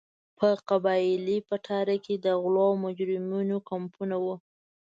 په قبایلي پټاره کې د غلو او مجرمینو کمپونه وو.